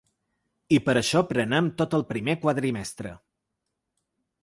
I per això prenem tot el primer quadrimestre.